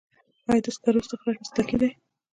آیا د سکرو استخراج مسلکي دی؟